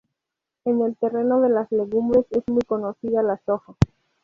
En el terreno de las legumbres es muy conocida la soja.